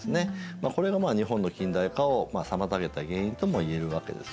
まあこれが日本の近代化を妨げた原因ともいえるわけです。